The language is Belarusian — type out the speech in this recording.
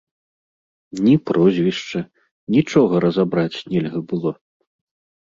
Ні прозвішча, нічога разабраць нельга было.